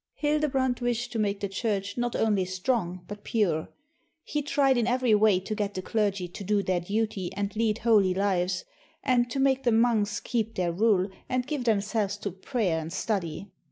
Hildebrand wished to make the Church not only strong but pure. He tried in every way to get the clergy to do their duty and lead holy lives, and to make the monks keep their rule and give themselves to prayer and study.